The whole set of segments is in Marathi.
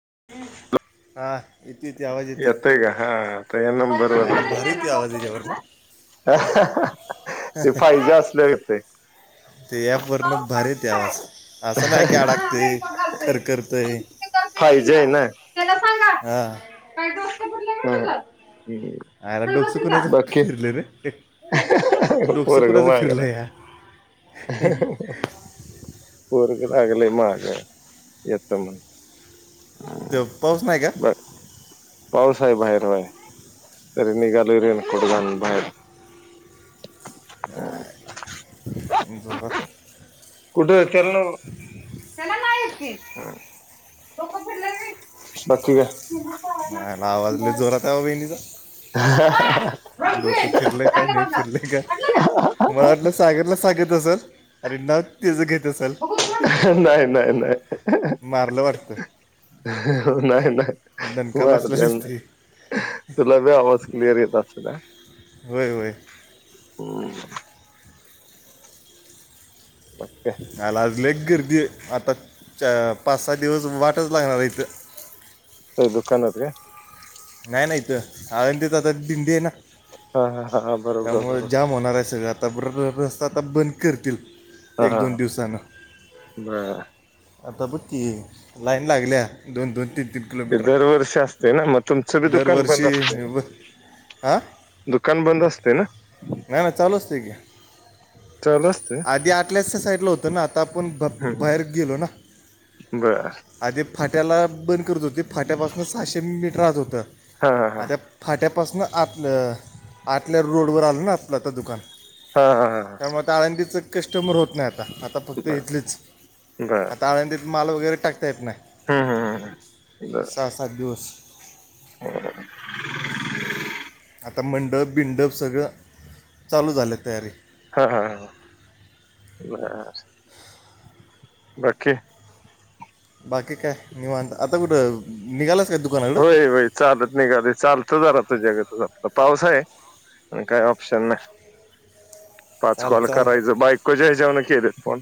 [inaudible] हा येते ते आवाज येते येतय का हा अता ह्या नंबर वर याला भारी ते आवाज याच्यावरनं [unintelligible] [unintelligible] ते फायजे असल्यावर येतय ते ॲप वरन भारी येतय पडतोय आवाज असं नाही की बाहेर हा अडाकतय खरखरतय फाईजी हाय ना त्याला सांगा [unintelligible] आयला चल डोकस बस कुणाचं तिथं बाकी फिरले र डोसकु पोरग कुणाच मागला फिरलया [unintelligible] पोरगं लागलय माग येत म्हण त पाऊस नाही का पावसा आहे बाहेर हाय तरी निघालोय रेनकोट घालुन भाईर [unintelligible] जोरात कुठे केर न त्याला नाईच की डोक फिरलय होय बग की ग आवाज लइ जोरात आहे वा वहिनीचा [unintelligible] डोक फिरले का नाही फिरले का मला वाटलं सागरला सांगत असल अरे नात त्याच घेत असेल [unintelligible] नाही नाही नाही मारलं वाटतं नाही नाही दणका बसला मारल्याल दिसते नाई तुला बी आवाज क्लिअर येत असेल ना होय होय हम् अला [unintelligible] लाइच गर्दी आता पाच सहा दिवस वाटच लागणार इथं अ दुकानात काय नाही नाही इथंआळंदीत आता दिंडी आहे ना हा हा हा हा बरोबर त्यामुळे बरोबर जाम होणार आहे सगळं आता आता ब [unintelligible] रस्ता आता बंद करतील हा एक हा दोन दिवसान बर आता बघ कि लाईन लागल्या दोन दोन तीन तीन हे किलोमीटर दर वर्षी असतयं ना म तुम चं बि दुकान बंद दरवर्षी असतय का व- हा दुकान बंद असतंय ना नाही नाही चालू असतंय कि चालू असते आधी आतल्याच साईडला होतं ना आता आपण बा बाहेर गेलो ना बरं आधी फाट्याला बण त होते फाट्यापासन सहाशे मीटर आत होतं. हा हा हा फाट्यापासून आत आपलं आतल्या रोडवर आलं ना आपलं आता दुकान हा हा हा त्यामुळे आता आळंदीचं कस्टमर होत नाही आता आता फक्त बर इथलीच बर आता आळंदीत माल वगैरे टाकत येत नाही हम्म हम्म बर सहा सात दिवस [inaudible] आता मंडप बिंडप सगळं चालू झालं तयारी हा हा ह बर बाकी बाकी काय निवांत आता कुठं निघालाच होय होय चालत निघालोय चालतो जरा तुझ्यागतच आता पाऊस आहे आणि काय ऑप्शन नाही पाच चाल कॉल चाल करायचं बायकोच्या हेज्यावरण केलेत फोन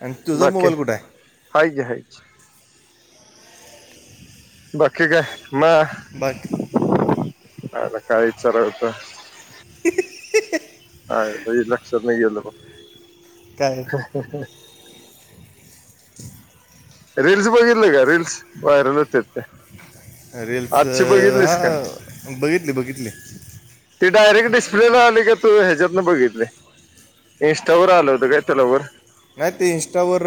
आणि तुझा बाकी मोबाईल कुठं आहे हाय कि बाकी काय म बाकी आला काय विचार होता हा लक्षातनं गेलं बघ काय ह ह रील्स बघितल्या काय रील्स व्हायरल होत्यात त्या रील्स का हा बघितली बघितली ती डायरेक्ट डिस्प्लेला आली का तू ह्याच्यात ना बघितले इंस्टावर आलं होतं काय तुला वर नाही ते इंस्टावर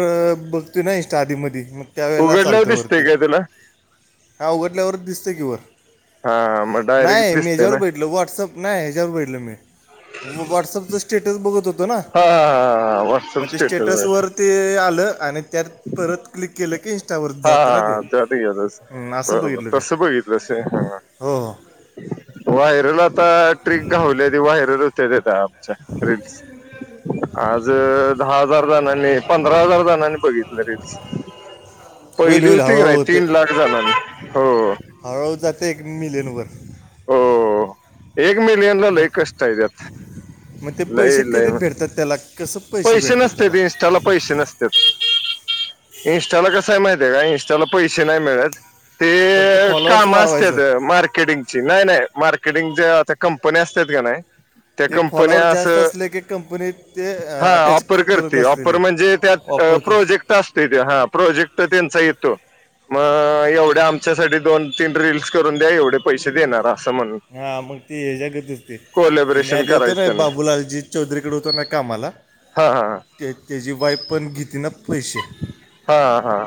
बघतय ना इंस्टा आधी मधी त्या वेळेला उघडल्यावर चालतं दिसतय वरती काय तुला हा उघडल्यावरच दिसते की वर हा मग डायरेक्ट नाही मी दिसते ह्याच्यावर ना बघितलं व्हॉट्सअप नाही ह्याच्यावर बघितलं मी व्हॉट्सअपचं स्टेटस बघत होत हा हा हा ह म्हणजे स्टेटसवरर ते आलं आणि त्यात परत क्लिक केलं की इंस्टावर हा जातं हा ना ते हा चालतंय कि हम्म, असं बर बर बघितलं ते तस बघितलास होय.. हा हो हो हा व्हायरल आता ट्रिक घावल्या ती व्हायरल होत्या ती आता रील्स आज दहा हजार जणांनी पंधरा हजार जणांनी बघित रील्स होईल पहिली होती नाही तीन लाख झाला म हळू हळू जात होओ एक मिलियन ला म- लई कष्ट आहेत यात मग ते पैसे कधी भेटतात त्याला कसं पैसे भेटतात त्याला नसत्यात इंस्टाला पैसे नसत्यात इंस्टाला कस आहे माहिती ते काय इनस्टाला पैसे नाही मिळत ते फक्त फॉलोअर्स कामं असत वाढवायचं मार्केटिंगची नाही नाही मार्केटिंग ज आता कंपनी असत का नाही त्या ते फॉलोवर कंपन्या जास्त असं असले की कंपनीत ते हा अटॅच ऑफर करत करते ऑफर असलेले म्हणजे त्यात वापर करत प्रोजेक्ट असतो ते हा प्रोजेक्ट त्यांचा येतो मग एवढ्या आमच्यासाठी दोन तीन रीलल्स करून द्या एवढे पैसे देणार. असं म्हणून हा मग ते ह जगतचते तेनी कोलॅबरेशन आधी होतो करायचं ना त्यांना बाबूलालजी चौधरीकडे होतो ना कामाला. हा हा ते त्याची वाईफ पण घेतती ना. पैसे हा हा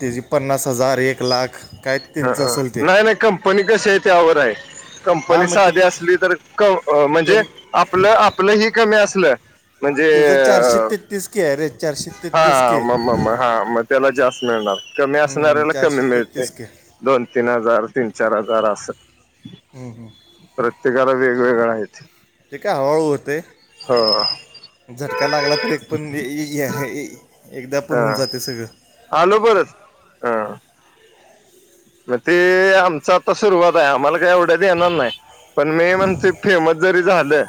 त्याची पन्नास हजार एक लाख काय ह त्यांचं असेल ते नाही नाही कंपनी कशी आहे त्यावर आहे. हा कंपनी मग ते साधी असली तर म्हणजे कमी आप आपलं ह कमी अस लं म्हणजे. त्याचं चारशे तेहतीस के आहे रे चारशे हा तेहतीस के म म हा मग त्याला जास्त. मिळणार कमी हम्म, असणाऱ्याला कमी चारशे मिळते तेहतीस के ते दोन तीन हजार तीन चार हजार असं. प्रत्येकाला वेगवेगळ आहेत. काय हळू होते. हो. झटका लागला, तर एक पण एकदा, पण हा होऊन जाते सगळं आलो बरच अ. मग ते आमच आता सुरुवात आहे आम्हाला. एवढं देणार नाही, पण मी म्हणतोय फेमस जरी झालं,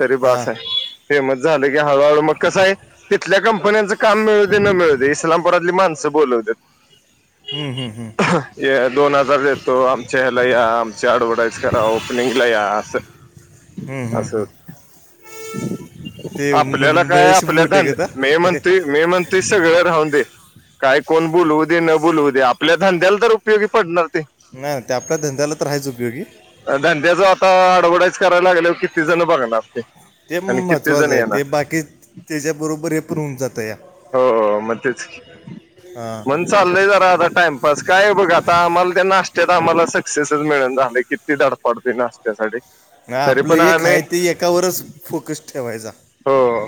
तरी हां बास आहे. फेमस झालं की हळूहळू मग कसं आहे, तिथल्या कंपन्यांचं काम मिळूदे नं मिळूदे इस्लामपुरातली माणस. असं बोलवत. हम्म हम्म हम्म. दोन हजार देतो, आमच्या ह्याला या आमची अडव्हटाईज करा, ओपनिंगला या असं. हम्म हम्म असं हम्म. आपल्याला काय महेश आपल्या मोठे का मे म्हनती नाही मे म्हनती सगळ राहून. काय कोण बोलवू दे न बोललू दे, आपल्याधंद्याला तर उपयोगी पडणार. नाही, ते आपल्या धंद्याला तर आहेच उपयोगी धंद्याच आता अडवटाईज करायला लागल्या की. त जणं बघा ना आपते. ते महत्त्वाचं आहे ते बाकी त्याच्या बरोबर हे पऊन जातं या. हो मग तेच. हां म्हण चाललंय जरा आता टाइमपास, काय बघ आता मला त्या नाश्त्यात. आम्हाला सक्सेसच मिळ झाले, किती धडपडते नाशत्यासाठी. म आपलं एकय ते एकावरच फोकस ठेवायचां. हो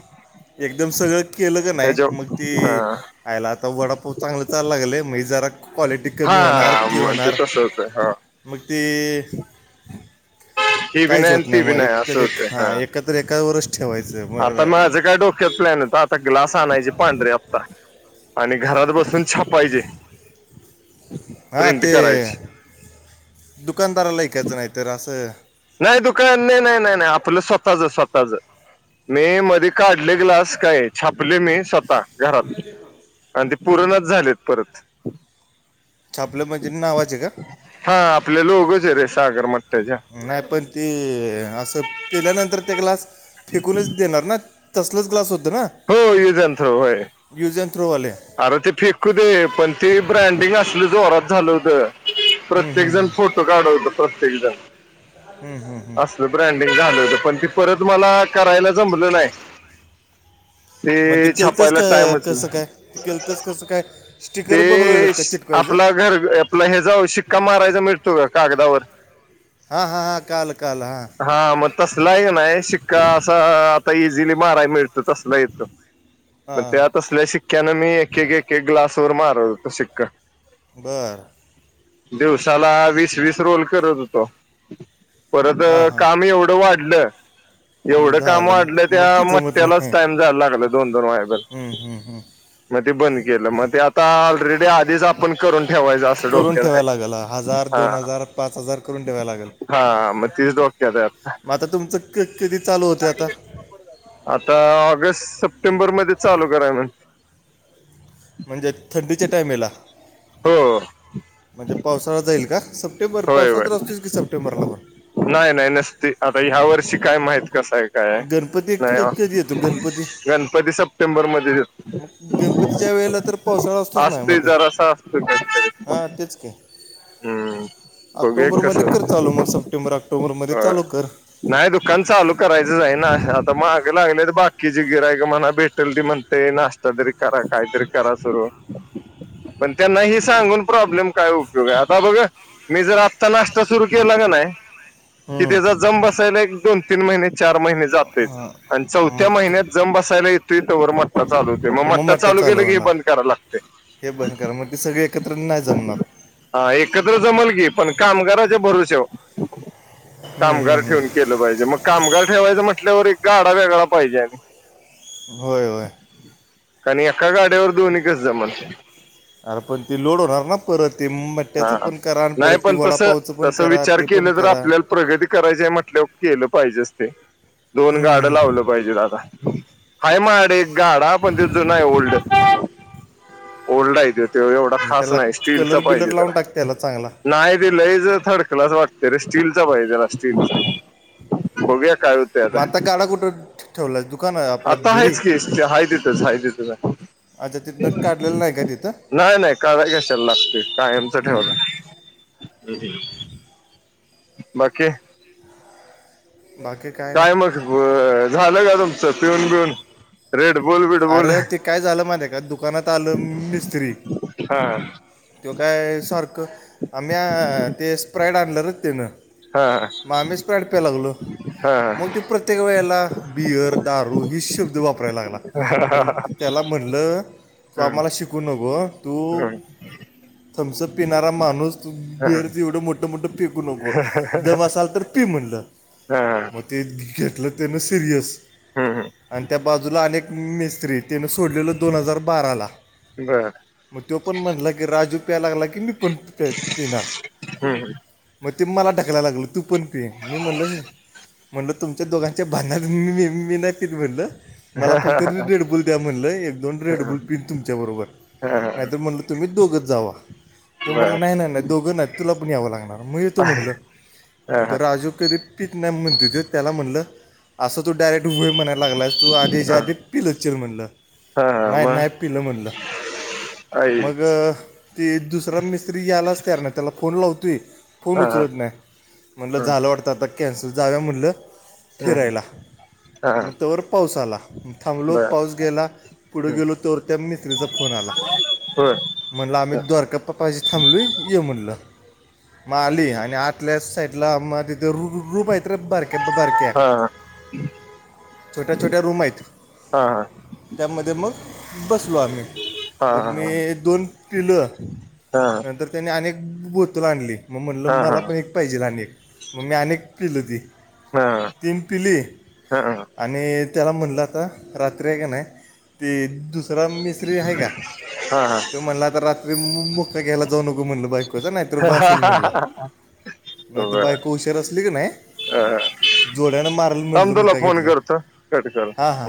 एकदम सगळं. केलं का नाही, ह्याच्या मग तेला आता वडापाव चांगला चाला लागलेय. क्वालिटी कमी हा होणार, हा ती म्हणजे होणार तसं होतं हा मग ती. ती ब नाही आहे, ती ब ना आहे, अस एक असते हा. हां एकत्र एकावरच ठेवायचं आता बरं माझं काय डोक्यातलन तर आता ग्लास आणायचे पांढरे हप्ता. आणि घरात बसून छापायचे. हा प्रिंट ते करायची दुकानदाराला ऐकायचं नाही तर असं. नाही दुकान नाही नाही नाही नाही आपलं स्वतःच स्वतःच. मी मध्ये काढले ग्लास काय छापले मी स्वतः. आणिज [unintelligible] पुूर्णच झालेत परत. छापलं म्हणजे नावाचे का हा आपले लोकच आहे रे सागर मटठ्याच्या. नाही पण ते असं पेल्यानंतर त्या ग्लास फेकूनच देणार ना, तसलाच ग्लास होतो. हो युज अन थ्रो होय. यूज अँड थ्रोवाले अरे ते फेकू दे, पण ते ब्रँडिंग असलं, जोरात झालं होत. प्रत्येक जण फोटो काढवत प्रत्येक जण. अससल ब्रँडिंग झाले. पण ते परत मला करायला जमलं नाही. ते छापायला टाइमच नाही. त केलतस कसं काय. ते स्टिकर बनवलेलंच का चिटकवायचं आपला घर आपलं हे, जाऊ शिक्का मारायचा मिळतो का कागदावर. हा हा हा काल काल हा. हा मग तसलाही नाही शिक्का असं, आता इझिली मारायला मिळत. तसला येत म हां तसल्या शिक्क्यान मी एक ग्लास. तोर मार होत शिक्का. बर. दिवसाला वीस वीस रोल करत होतो. परत हां हां काम एवढं वाढलं. हम्म, एवढं काम झालं वाढलं मग मग त्या ते जमत मट्ट्यालाच नाही टाइम जायला लागला दोन दोन वायण. हम्म, हम्म, हम्म. मग ते बंद केलं मग ते, आता ऑलरेडी आधीच आपण करून. ठेवायचं असं करून डॉक्टर ठेवायला लागेल हा. आहे हजार हा दोन हजार पाच हजार करून ठेवायला लागेल हा मग. तीस वक्तत मग आता तुमचं क कधी चालू होते आता आता ऑगस्ट सप्टेंबर मध्ये चालू कराय म्हण म्हणजे थंडीच्या टायमेला हो म्हणजे पावसाळा जाईल का सप्टेंबर होय होय पावसात असतोच की सप्टेंबरला पण नाही नाही नसती आता ह्या वर्षी काय माहिती. कसं आहे काय आहे गणपती क- कधी येतो गणपती नाही गणपती सप्टेंबर मध्ये येत. मग गणपतीच्या वेळेला तर पावसाळा असतोच नाही म ते जरासा असतो काहीतरी हा तेच काय? हम्म बघूया ऑक्टोबर कस मध्ये कर चालू मग सप्टेंबर ऑक्टोबरमध्ये चालू कर नाही दुखन चालू करायचं जाई ना आता महाग लागले तर बाग. ककी ज गिराय का म्हणा भेटल त म्हणते नाश्ता तरी करा काहीतरी करा सुरू पण त्यांना ह सांगून प्रॉब्लेम काय उपयोग आहे आता बघ मी जर नाश्ता सुरू केला ग नाही कि त्याचा हम्म. जम बसायला एक दोन तीन महिने चार महिने हां. मग चौ्या तू मन्यात ज बेतट मग मट्टा चालू चालगलू के होणार ब करा लागते. हे बंद करा मग ती सगळी एकत्र नाही जमणार. हा एकत्र जमल की पण कामगाराच्या भरसेव हम्म, हम्म, कामगार हम्म. ठेवून केलं पाहिजे मग कामगार ठेवायचं म्हटल्यावर एक गाडा वेगळा पाहिजे. होय होय. आणिण एका गाड्यावर दोन कच जमान अरे पण ते लोड होणार ना परत ते म्याचं हा पण करा आणि नाही परत ते पण तसं वडापावचं पण तसं करा विचार ते पण केलं तर करा. आपल्याला प्रगती करायची आहे म्हटल्या केलं पाहिजे अस ते दोन गाडं हम्म. लावलं पाहिजेत आादा हा माड एक गाडा पण त जुून आहे ओल्ड ओल्ड आहे ति त एवढा मग खास त्याला नाही स्टीलचा कलर बिलर पाहिजे लावून जरा टाक त्याला चांगला नाही दिलं ज थर्ड क्लास वाटते. बाला्ट्या काय होते मग आता गाडा कुठं ठेवला दुकान आपलं आता घरी आहेच की हा तथच हा तथ. आता तिथनं काढलेलं नाही का तिथं नाही नाही करा कशाला लागते कायमच हम्म, ठेवलं. हम् बाकी हम्म. बाकी काय नाही मग झालं का तुमचं पिऊन बिऊन रेडबुल बिडबुल अरे ते काय झालं माझ का दुकानात आलं मिस्त्री हा तें काय सारखं आम्ही ते स्प्रेड आणलंच तेन हा मामेचपॅटपिया लागलो. हा मग ते प्रत्येक वेळेला बियर दारू हि शब्द वापरायला लागला. मग त्याला म्हणलं तू हम्म, आम्हाला शिकू नको तू हम्म, थंमस पिणारा माणूस हा. बिरच एवढं मोठ मोठ पकू नको दम असल तर पी म्हणलं. हा, मग ते घेतलं सिरियस हम्म, आणि त्या बाजूलाे. सोड दो हजार बारा बर मग तो पण म्ह राज. तो यायला लागला की मी पण येणार. हम्म. ते मला ढकायला लागल तू पण पि मी म्हणल. म्हणलं तुमच्या दोघांच्या बांध म मी नाही फ म्हणलं. हा हा हा. द म्ह एक दोन रेडबल पिन तुमच्या बरोबर नाहीतर हा, म्हणलं तुम्ही दोघच जा. तो म्हटला नाही नाही नाही दोघं नाही तुला पण यावं लागणार म्हणजे तो बर म्हणलं हा मग हा तो राजू. म्हण त्याला म्हणल अस तो डायरेक्ट वय म्हणायला लागला. ू आधी हा जाध हा पिल. म्ह हा नाही नाही मग पिलं म्हटलं मग. आईच ते दुसरा मिस्त्री यायलाच तयार नाही त्याला फोन लावतोय. फोन हा हा उचलत नाही म्हणलं हम्म झालं वाटतं आता कॅन्सल जाव म्हणलं. हम्म फिरायला हा मग त्यावर पाऊस आला थांबलो. बर पाऊस गेला पुढे हम्म गेलो तोवर त्या मत्रीचा फोन आला. होय म्हणलं आम्ही द्वारका पा्पाची थांबलोय य म्हणलं. मग आली आणि आतल्या साईड ला म तिथुपय बरक्या बरक्या हा छोट्या छोट्या रूम आहेत. हा हा त्यामध्ये मग बस. बसलो आम्ही हा मग मी हा दोन पिलो. हा हा बतोल आणली मग म्हणलं मला पण एक पाहिजे अनेक मग मी अनेक पिल ती. तीन पिली हा हा आणि त्याला म्हणलं आता. रात्र हाय का नाय. राम मिसत्री आहे का हा हा तो म्हणला आता रात्री मुक्का घ्यायला जाऊ नको म्हणलं बायक. नाही तर ब असल म्हणला नाही ती बर बायक उशर असली की नाही. अ जोड्यान माराल थांब म्हटलं तुला मुका फोन करतो कट घेतल्यावर कर हा हा.